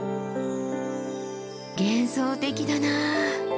幻想的だな。